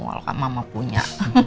kalau kak mama punya